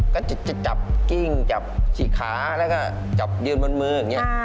ก็จะจับกิ้งจับฉีกขาแล้วก็จับยืนบนมืออย่างนี้